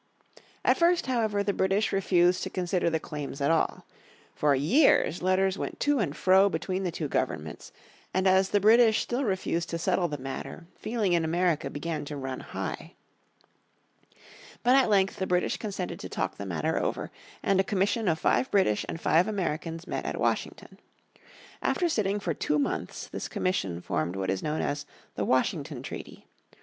At first, however, the British refused to consider the claims at all. For years letters went to and fro between the two governments, and as the British still refused to settle the matter, feeling in America began to run high. But at length the British consented to talk the matter over, and a commission of five British and five Americans met at Washington. After sitting for two months this commission formed what is known as the Washington Treaty.